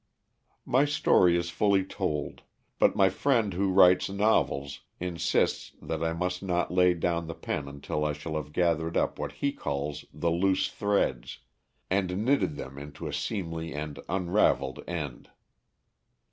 My story is fully told, but my friend who writes novels insists that I must not lay down the pen until I shall have gathered up what he calls the loose threads, and knitted them into a seemly and unraveled end.